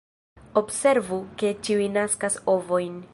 Observu ke ĉiuj naskas ovojn.